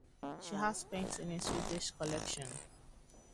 She has painting in Swedish collections.